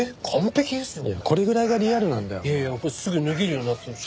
いやいやすぐ脱げるようになってるし。